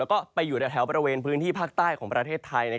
แล้วก็ไปอยู่ในแถวบริเวณพื้นที่ภาคใต้ของประเทศไทย